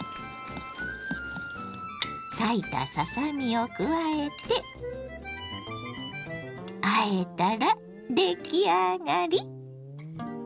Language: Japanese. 裂いたささ身を加えてあえたら出来上がり！